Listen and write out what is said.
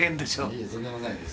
いえとんでもないです。